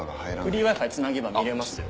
フリーＷｉ−Ｆｉつなげば見れますよ。